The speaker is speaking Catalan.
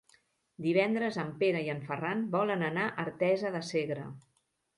Divendres en Pere i en Ferran volen anar a Artesa de Segre.